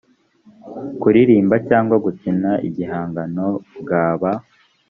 kuririmba cyangwa gukina igihangano bwaba